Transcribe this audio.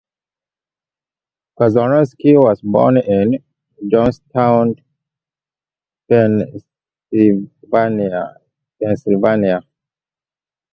Kazurinsky was born in Johnstown, Pennsylvania.